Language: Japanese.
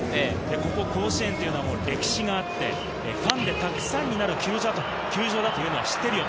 ここ甲子園というのは歴史があって、ファンでたくさんになる球場だというのは知ってるよ。